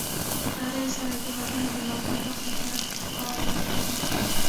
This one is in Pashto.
له پردیو سره اتحادونه د موقت وخت لپاره کار ورکوي.